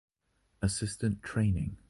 Assistant training.